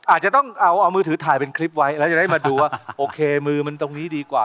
อาจจะต้องเอามือถือถ่ายเป็นคลิปไว้แล้วจะได้มาดูว่าโอเคมือมันตรงนี้ดีกว่า